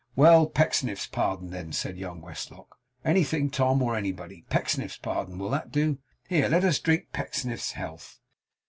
'Well! Pecksniff's pardon then,' said young Westlock. 'Anything Tom, or anybody. Pecksniff's pardon will that do? Here! let us drink Pecksniff's health!